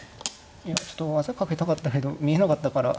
いや技かけたかったけど見えなかったから。